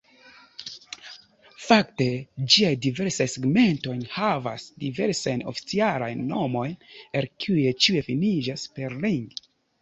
Fakte ĝiaj diversaj segmentoj havas diversajn oficialajn nomojn, el kiuj ĉiuj finiĝas per "-ring".